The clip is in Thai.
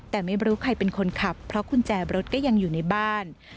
แต่ไม่รู้ใครเป็นคนขับเพราะกุญแจรถก็ยังอยู่ในบ้าน